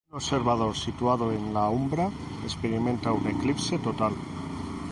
Un observador situado en la umbra experimenta un eclipse total.